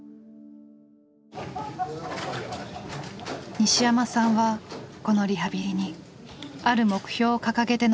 西山さんはこのリハビリにある目標を掲げて臨んでいました。